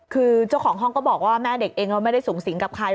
คือเจ้าของห้องก็บอกว่าแม่เด็กเองก็ไม่ได้สูงสิงกับใคร